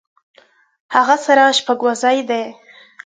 هغۀ سره شپږ وزې دي